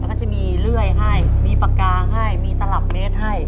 แล้วก็จะมีเลื่อยให้มีปากกางให้มีตลับเมตรให้